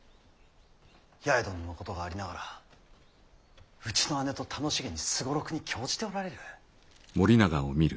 八重殿のことがありながらうちの姉と楽しげに双六に興じておられる。